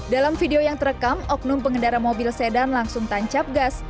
dalam video yang terekam oknum pengendara mobil sedan langsung tancap gas